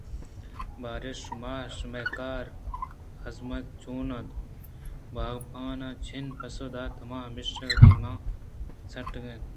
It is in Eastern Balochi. باریں شُما ءُ شمئے کار ءُ ہزمت چون اَنت؟ باغپان ءِ جَن ءَ پسّہ دات ما ہمیشیں وتی مَنّ ءَ سَٹگءَایں